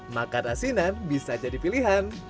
maka asinan bisa jadi pilihan